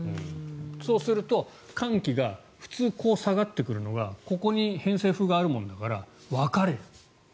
そうすると寒気が普通はこう下がってくるのがここに偏西風があるものだから分かれる。